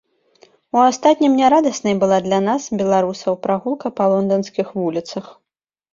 У астатнім нярадаснай была для нас, беларусаў, прагулка па лонданскіх вуліцах.